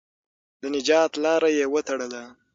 د نجات لاره یې وتړله.